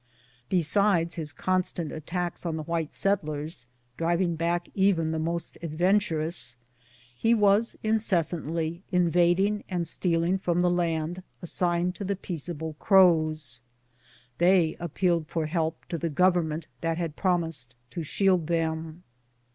Besides his constant attacks on the white set tlers, driving back even the most adventurous, he was incessantly invading and stealing from the land assigned to the peaceable Crows. They appealed for help to the Government that had promised to shield them.